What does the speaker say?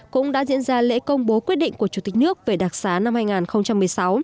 cũng đã diễn ra lễ công bố quyết định của chủ tịch nước về đặc xá năm hai nghìn một mươi sáu